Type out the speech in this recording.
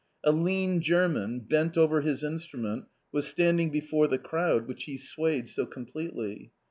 A lean German, bent over his instrument, was standing be fore the crowd which he swayed so completely.